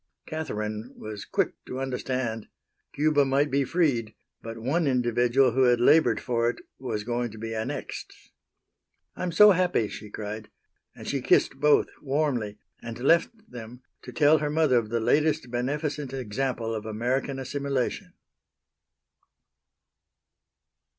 Catherine was quick to understand: Cuba might be freed, but one individual who had labored for it was going to be annexed. "I'm so happy!" she cried. And she kissed both warmly and left them to tell her mother of the latest beneficent example of American assimilation.